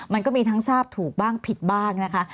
มันก็มีทั้งทราบถูกบ้างผิดบ้างนะคะ